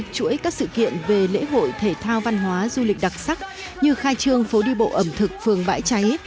chuỗi các sự kiện về lễ hội thể thao văn hóa du lịch đặc sắc như khai trương phố đi bộ ẩm thực phường bãi cháy